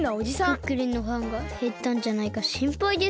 クックルンのファンがへったんじゃないかしんぱいです。